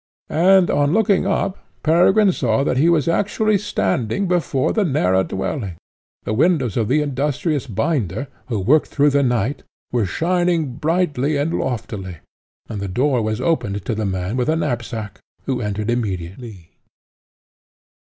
and on looking up, Peregrine saw that he was actually standing before the narrow dwelling; the windows of the industrious binder, who worked through the night, were shining brightly and loftily, and the door was opened to the man with a knapsack, who entered immediately.